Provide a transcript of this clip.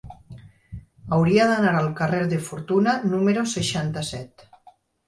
Hauria d'anar al carrer de Fortuna número seixanta-set.